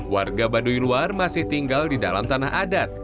warga baduy luar masih tinggal di dalam tanah adat